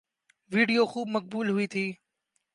video خوب مقبول ہوئی تھی